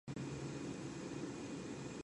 High Streets are less commonly seen in Ireland.